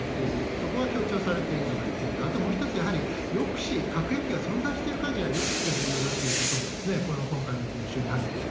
そこは強調されているのが一点と、あともう一つ、やはり抑止、核兵器が存在しているかぎりは抑止が重要だということも、今回の文書に入っている。